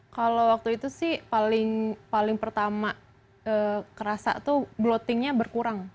kalau waktu itu sih paling pertama kerasa tuh bloatingnya berkurang